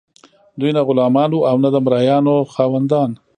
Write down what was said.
دوی نه غلامان وو او نه د مرئیانو خاوندان.